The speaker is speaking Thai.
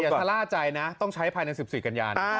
แต่อย่าทราบใจนะต้องใช้ภายในสิบสิบกัญญาณ